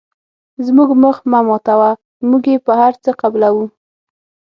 زموږ مخ مه ماتوه موږ یې په هر څه قبلوو.